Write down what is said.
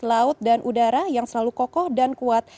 pada saat ini tni akan memiliki kekuatan yang sangat kuat